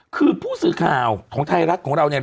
คือผู้สื่อข่าวของไทยรัฐของเรา